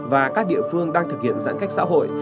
và các địa phương đang thực hiện giãn cách xã hội